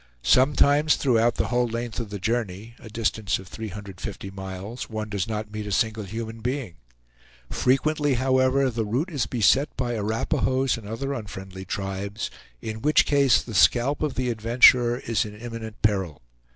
Sometimes throughout the whole length of the journey (a distance of 350 miles) one does not meet a single human being; frequently, however, the route is beset by Arapahoes and other unfriendly tribes; in which case the scalp of the adventurer is in imminent peril.